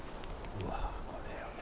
うわっこれはね。